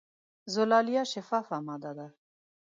زلالیه شفافه ماده ده.